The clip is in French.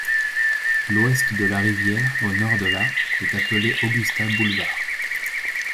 L'ouest de la rivière au nord de la est appelée Augusta Boulevard.